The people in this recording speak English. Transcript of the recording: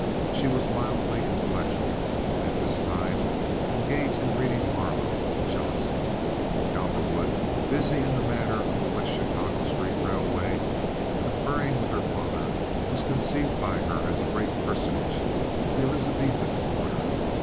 She was mildly intellectual at this time, engaged in reading Marlowe and Jonson; and Cowperwood, busy in the matter of the West Chicago Street Railway, and conferring with her father, was conceived by her as a great personage of the Elizabethan order.